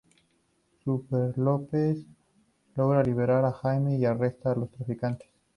Superlópez logra liberar a Jaime y arrestar a los traficantes.